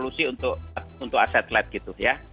asetle itu penting ya